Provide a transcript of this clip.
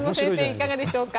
いかがでしょうか。